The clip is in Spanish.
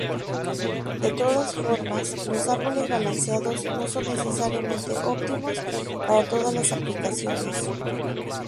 De todas formas, los árboles balanceados no son necesariamente óptimos para todas las aplicaciones.